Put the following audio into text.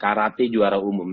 karate juara umum